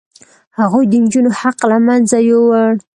هغوی د نجونو حق له منځه یووړ.